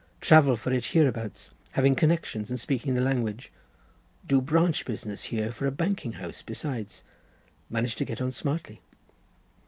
Travel for it hereabouts, having connections and speaking the language. Do branch business here for a banking house besides. Manage to get on smartly."